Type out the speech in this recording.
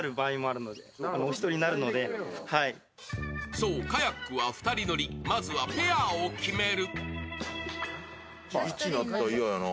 そうカヤックは二人乗りまずはペアを決める。